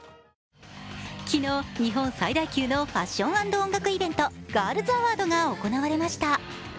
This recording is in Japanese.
昨日、日本最大級のファッション＆音楽イベントＧｉｒｌｓＡｗａｒｄが行われました。